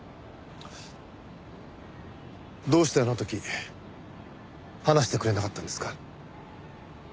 どうしてあの時話してくれなかったんですか？